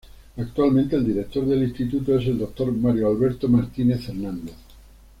Actualmente el Director del Instituto es el Dr. Mario Alberto Martínez Hernández.